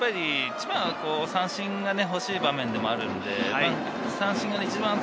一番は三振が欲しい場面でもあるんで。